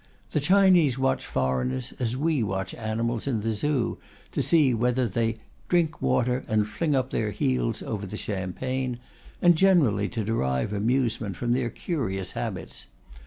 The Chinese watch foreigners as we watch animals in the Zoo, to see whether they "drink water and fling up their heels over the champaign," and generally to derive amusement from their curious habits.